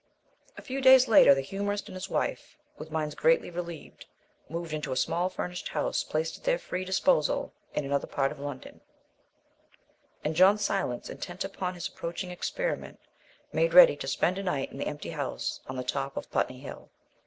II A few days later the humorist and his wife, with minds greatly relieved, moved into a small furnished house placed at their free disposal in another part of London; and John Silence, intent upon his approaching experiment, made ready to spend a night in the empty house on the top of Putney Hill.